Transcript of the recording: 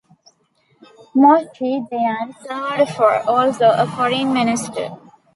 Moshe Dayan served also as Foreign Minister.